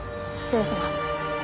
失礼します。